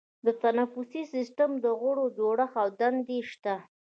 د تنفسي سیستم د غړو جوړښت او دندې شته.